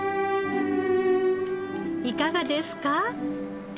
いかがですか？